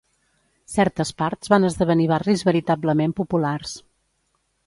Certes parts van esdevenir barris veritablement populars.